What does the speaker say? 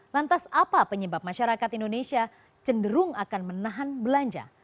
lantas apa penyebab masyarakat indonesia cenderung akan menahan belanja